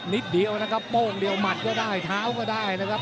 นิดเดียวนะครับโป้งเดียวหมัดก็ได้เท้าก็ได้นะครับ